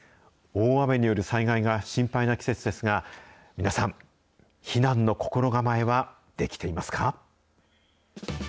大雨による災害が心配な季節ですが、皆さん、避難の心構えはできていますか。